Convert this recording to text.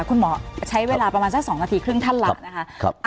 คุณหมอใช้เวลาประมาณสัก๒นาทีครึ่งท่านละนะคะ